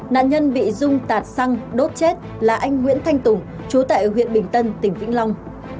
nạn nhân bị dung tạt xăng đốt chết là anh nguyễn thanh tùng chú tại huyện bình tân tỉnh vĩnh long